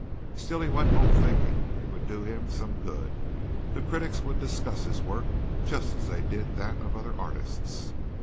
Still he went home thinking it would do him some good. The critics would discuss his work just as they did that of other artists.